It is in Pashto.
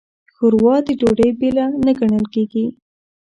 ښوروا د ډوډۍ بېله نه ګڼل کېږي.